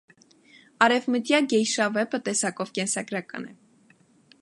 «Արևմտյա գեյշա» վեպը տեսակով կենսագարական է։